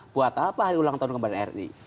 buat apa hari ulang tahun kembali dari ri